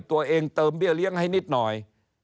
ตัวเองเติมเบี้ยเลี้ยงให้นิดหน่อย